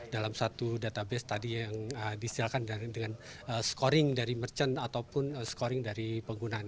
dalam satu database tadi yang disediakan dengan scoring dari merchant ataupun scoring dari penggunaan